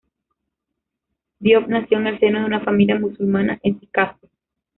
Diop nació en el seno de una familia musulmana en Sikasso.